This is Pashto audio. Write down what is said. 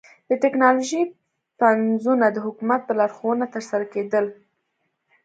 د ټکنالوژۍ پنځونه د حکومت په لارښوونه ترسره کېدل.